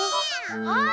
あっ！